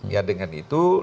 ya dengan itu